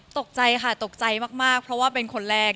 ตกใจค่ะตกใจมากเพราะว่าเป็นคนแรก